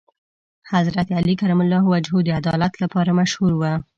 حضرت علی کرم الله وجهه د عدالت لپاره مشهور و.